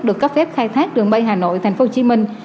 được cấp phép khai thác đường bay hà nội tp hcm